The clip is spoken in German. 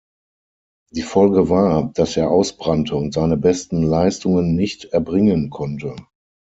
Die Folge war, dass er ausbrannte und seine besten Leistungen nicht erbringen konnte.